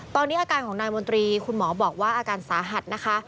ตอนนี้อาการของนายมนตรีคุณหมอบอกว่าอาการสาหัสนะคะ